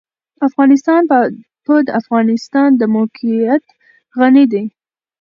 افغانستان په د افغانستان د موقعیت غني دی.